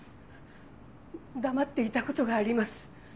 黙っていた事があります。